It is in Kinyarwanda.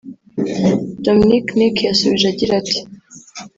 Dominic Nic yasubije agira ati